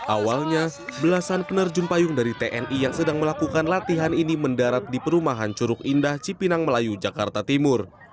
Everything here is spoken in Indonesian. awalnya belasan penerjun payung dari tni yang sedang melakukan latihan ini mendarat di perumahan curug indah cipinang melayu jakarta timur